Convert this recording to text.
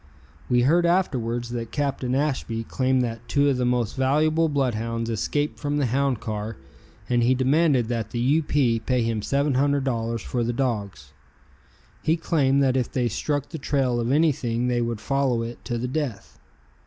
We heard afterwards that Captain Ashby claimed that two of the most valuable blood hounds escaped from the hound car and he demanded that the U. P. pay him $700 for the dogs. He claimed that if they struck the trail of anything they would follow it to the death.